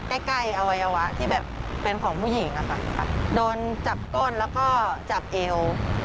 แบบใกล้อวัยวะที่แบบเป็นของผู้หญิงโดนจับต้นแล้วก็จับเอล